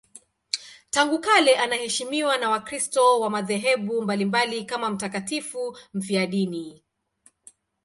Tangu kale anaheshimiwa na Wakristo wa madhehebu mbalimbali kama mtakatifu mfiadini.